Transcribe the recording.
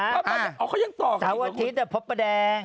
อ้าวเขายังต่อกันหรือเปล่า๓วันอาทิตย์แต่พร้อมประแดง